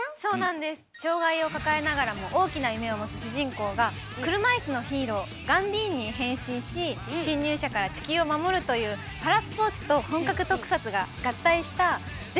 障害を抱えながらも大きな夢を持つ主人公が車いすのヒーローガンディーンに変身し侵入者から地球を守るというパラスポーツと本格特撮が合体した前代未聞のドラマとなっております。